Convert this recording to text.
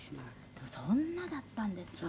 でもそんなだったんですか。